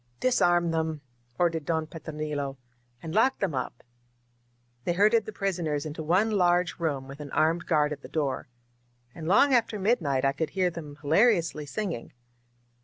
"Disarm them !" ordered Don Petronilo. "And lock them up !" They herded the prisoners into one large room, with an armed guard at the door. And long after midnight I could hear them hilariously singing.